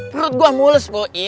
perut gua mulus boim